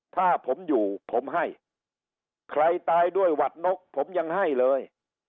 ถ้าผมอยู่ผมให้ใครตายด้วยหวัดนกผมยังให้เลย